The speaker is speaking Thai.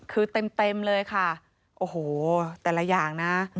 คือเต็มเลยค่ะโอ้โหแต่ละอย่างนะ